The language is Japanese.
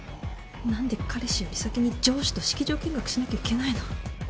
何で彼氏より先に上司と式場見学しなきゃいけないの。